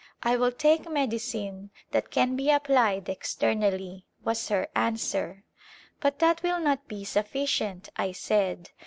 " I will take medicine that can be applied ex ternally," was her answer. " But that will not be sufficient," I said.